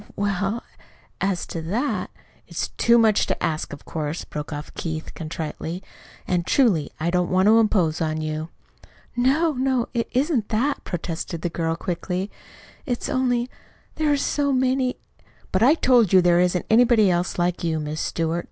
"W well, as to that " "It's too much to ask, of course," broke off Keith contritely. "And, truly, I don't want to impose on you." "No, no, it isn't that," protested the girl quickly. "It's only There are so many " "But I told you there isn't anybody like you, Miss Stewart.